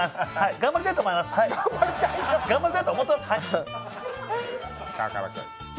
頑張りたいと思います、はい。